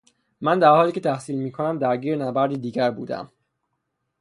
من در حالی که تحصیل میکنم درگیر نبردی دیگر بودهام